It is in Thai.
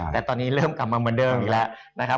แต่ตอนนี้เริ่มกลับมาเหมือนเดิมอีกแล้วนะครับ